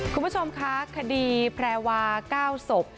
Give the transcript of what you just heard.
คุณผู้ชมคะคดีแพรวา๙ศพ